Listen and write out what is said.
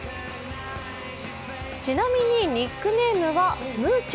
ちなみに、ニックネームはムーチョ。